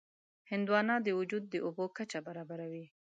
هندوانه د وجود د اوبو کچه برابروي.